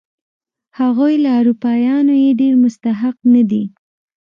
هغوی له اروپایانو یې ډېر مستحق نه دي.